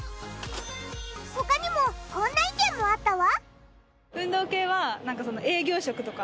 他にもこんな意見もあったわ。